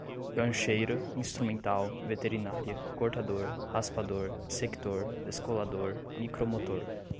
gancheira, instrumental, veterinária, cortador, raspador, dissector, descolador, micromotor